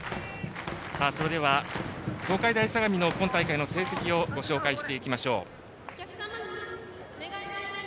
それでは東海大相模の今大会の成績をご紹介していきましょう。